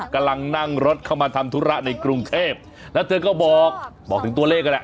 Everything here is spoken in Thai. กำลังนั่งรถเข้ามาทำธุระในกรุงเทพแล้วเธอก็บอกบอกถึงตัวเลขนั่นแหละ